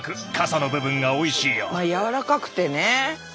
やわらかくてね。